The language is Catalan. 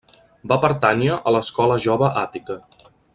Va pertànyer a l'escola jove àtica.